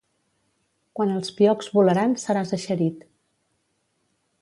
Quan els piocs volaran seràs eixerit.